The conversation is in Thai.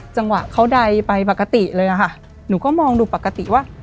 จังหวะเขาใดไปปกติเลยอะค่ะหนูก็มองดูปกติว่า